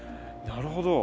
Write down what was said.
なるほど。